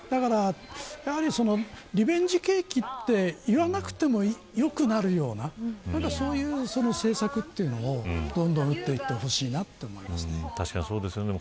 やはりリベンジ景気と言わなくても良くなるようなそういう政策というのをどんどん打っていってほしいなと確かに、そうですね。